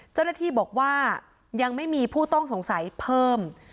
เจ้าหน้าที่บอกว่ายังไม่มีผู้ต้องสงสัยเพิ่ม